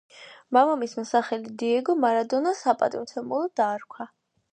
მამამისმა სახელი დიეგო მარადონას საპატივცემულოდ დაარქვა.